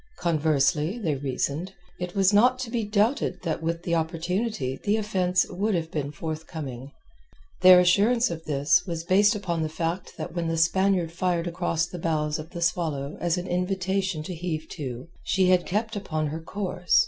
Conversely, they reasoned, it was not to be doubted that with the opportunity the offence would have been forthcoming. Their assurance of this was based upon the fact that when the Spaniard fired across the bows of the Swallow as an invitation to heave to, she had kept upon her course.